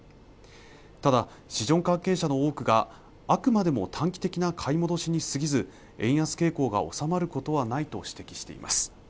ただ市場関係者の多くがあくまでも短期的な買い戻しに過ぎず円安傾向が収まることはないと指摘しています